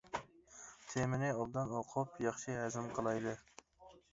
تېمىنى ئوبدان ئوقۇپ ياخشى ھەزىم قىلايلى.